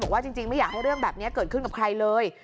ว่าจริงไม่อยากให้เรื่องแบบนี้เกิดขึ้นกับใครเลย